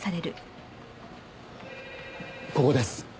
ここです。